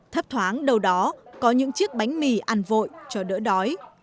thấp thoáng đâu đó có những chiếc bánh mì ăn vội cho đỡ đói